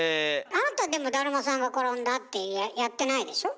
あなたでも「だるまさんがころんだ」ってやってないでしょ？